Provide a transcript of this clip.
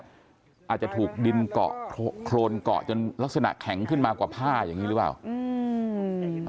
อาจจะถูกดินเกาะโครนเกาะจนลักษณะแข็งขึ้นมากว่าผ้าอย่างนี้หรือเปล่า